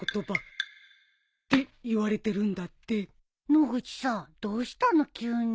野口さんどうしたの急に。